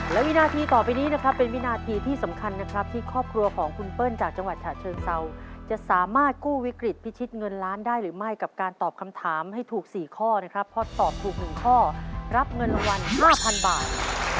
และวินาทีต่อไปนี้นะครับเป็นวินาทีที่สำคัญนะครับที่ครอบครัวของคุณเปิ้ลจากจังหวัดฉะเชิงเซาจะสามารถกู้วิกฤตพิชิตเงินล้านได้หรือไม่กับการตอบคำถามให้ถูก๔ข้อนะครับเพราะตอบถูก๑ข้อรับเงินรางวัล๕๐๐๐บาท